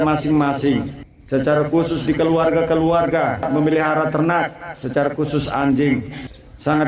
masing masing secara khusus di keluarga keluarga memelihara ternak secara khusus anjing sangat